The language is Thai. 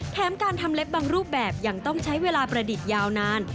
แถมการทำเล็บบางรูปแบบยังต้องใช้เวลาประดิษฐ์ยาวนาน